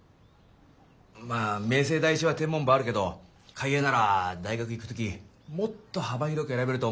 まあ明星第一は天文部あるけど開栄なら大学行く時もっと幅広く選べると思うし。